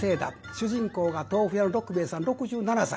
主人公が豆腐屋の六兵衛さん６７歳。